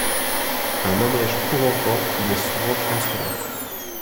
Un manège pour enfants y est souvent installé.